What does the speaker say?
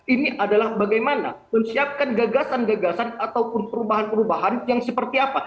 ini adalah bagaimana menyiapkan gagasan gagasan ataupun perubahan perubahan yang seperti apa